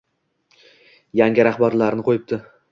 yangi rahbarlarini qo‘yibdi.